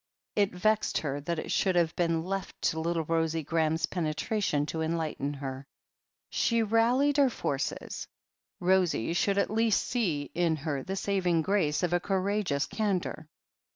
It vexed her that it should have been left to Uttle Rosie Graham's penetration to enlighten her. r 172 THE HEEL OF ACHILLES She rallied her forces. Rosie should at least see in her the saving grace of a courageous candour.